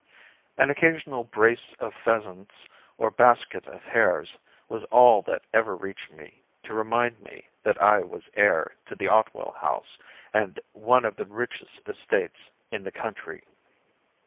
An occasional brace of pheasants, or basket of hares, was all that ever reached me to remind me that I was heir to Otwell House and one of the richest estates in the country.